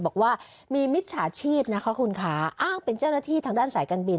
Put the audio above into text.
บอกว่ามีมิจฉาชีพนะคะคุณคะอ้างเป็นเจ้าหน้าที่ทางด้านสายการบิน